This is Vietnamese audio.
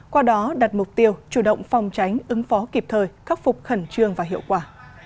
qua đó đặt mục tiêu chủ động phòng tránh ứng phó kịp thời khắc phục khẩn trương và hiệu quả